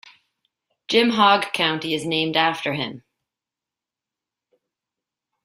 Jim Hogg County is named after him.